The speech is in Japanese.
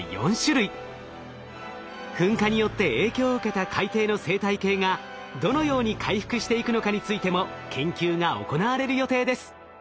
噴火によって影響を受けた海底の生態系がどのように回復していくのかについても研究が行われる予定です。